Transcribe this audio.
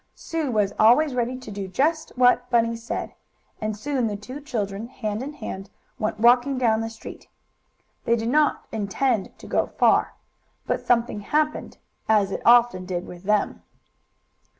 Sue was always ready to do just what Bunny said, and soon the two children, hand in hand, went walking down the street. They did not intend to go far, but something happened, as it often did with them.